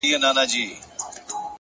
هوښیار انسان د تجربې ارزښت ساتي؛